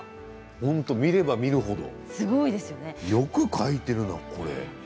見れば見る程よく描いているな、これ。